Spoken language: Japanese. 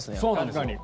確かに。